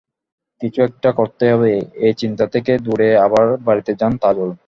কিছু একটা করতেই হবে—এই চিন্তা থেকেই দৌড়ে আবার বাড়িতে যান তাজুল।